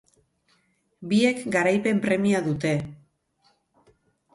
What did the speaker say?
Biek garaipen premia dute.